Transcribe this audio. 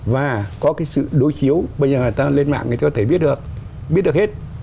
và có cái sự đối chiếu bây giờ người ta lên mạng người ta có thể biết được biết được hết